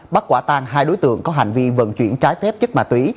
bắt quả tan hai đối tượng có hành vi vận chuyển trái phép chất ma túy